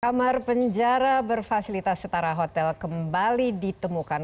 kamar penjara berfasilitas setara hotel kembali ditemukan